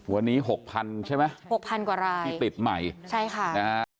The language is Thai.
วันนี้๖๐๐๐ใช่ไหมที่ติดใหม่ใช่ค่ะใช่ค่ะ